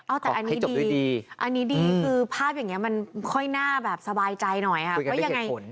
เอาแต่อันนี้ดีอันนี้ดีคือภาพอย่างนี้มันค่อยน่าแบบสบายใจหน่อยค่ะว่ายังไง